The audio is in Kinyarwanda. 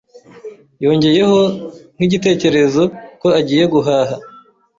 Yongeyeho, nk'igitekerezo, ko agiye guhaha.